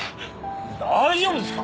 大丈夫ですか？